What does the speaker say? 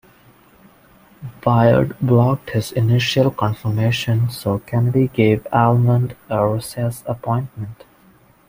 Byrd blocked his initial confirmation so Kennedy gave Almond a recess appointment.